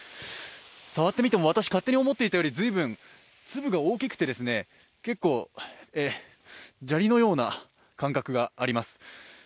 触ってみても、私が勝手に思っていたより随分粒が大きくて、結構、砂利のような感覚があります。